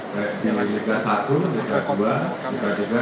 baik di liga satu liga dua liga tiga